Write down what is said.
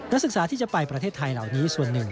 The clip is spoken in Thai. นักศึกษาที่จะไปประเทศไทยเหล่านี้ส่วนหนึ่ง